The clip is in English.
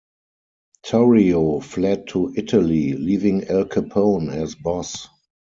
Torrio fled to Italy, leaving Al Capone as boss.